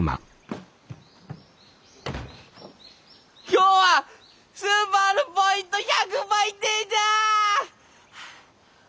今日はスーパーのポイント１００倍デーだ！